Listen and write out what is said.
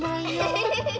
フフフフ。